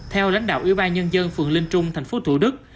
theo lãnh đạo ủy ban nhân dân phường linh trung thành phố thủ đức